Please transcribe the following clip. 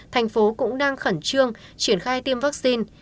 thành phố cũng đang khẩn trương triển khai tiêm vaccine